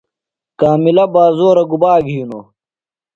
کمالہ بازورہ گُبا گِھینوۡ؟